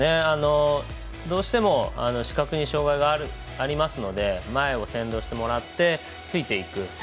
どうしても視覚に障がいがありますので前を先導してもらってついていく。